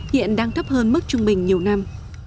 hiện đang thấp hơn mức trung bình nhiều năm